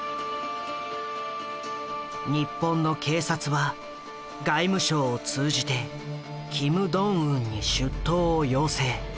日本の警察は外務省を通じてキム・ドンウンに出頭を要請。